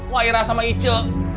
wairah sama ice